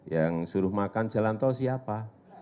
yang suruh makan jalan tol siapa